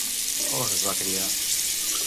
A on es va criar?